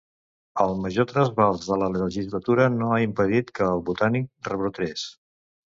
El major trasbals de la legislatura no ha impedit que el Botànic rebrotés.